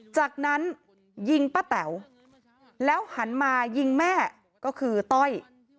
จากนั้นยิงป้าแต๋วแล้วหันมายิงแม่ก็คือต้อย